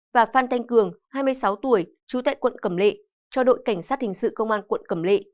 và phan thanh cường hai mươi sáu tuổi trú tại quận cẩm lệ cho đội cảnh sát hình sự công an quận cẩm lệ